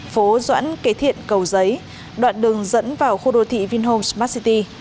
phố doãn kế thiện cầu giấy đoạn đường dẫn vào khu đô thị vinhomes massity